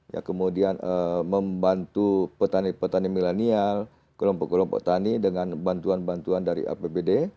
ya kemudian membantu petani petani milenial kelompok kelompok tani dengan bantuan bantuan dari apbd